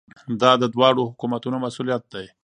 دا د دواړو حکومتونو مسؤلیت دی.